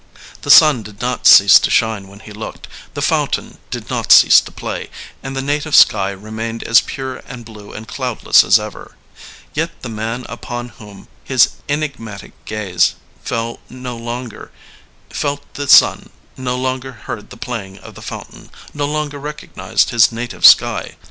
The sun did not cease to shine when he looked, the fountain did not cease to play, and the native sky remained as pure and blue and cloudless as ever. Yet the man upon whom his enigmatic gaze fell no longer felt the sun, no longer heard the playing of the fountain, no longer recognized his native sky.